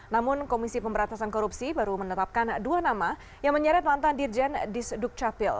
namun komisi pemperantasan korupsi baru menetapkan dua nama yang menyeret mantan dirjen disdukcapil